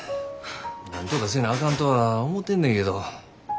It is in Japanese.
なんとかせなあかんとは思てんねんけど。